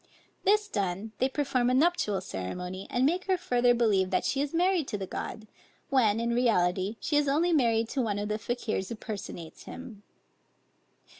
This done, they perform a nuptial ceremony, and make her further believe that she is married to the god; when, in reality, she is only married to one of the Fakiers who personates him.